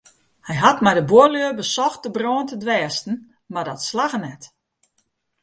Hy hat mei de buorlju besocht de brân te dwêsten mar dat slagge net.